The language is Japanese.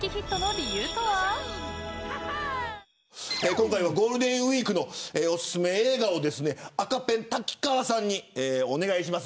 今回のゴールデンウイークのおすすめ映画を赤ペン瀧川さんにお願いします。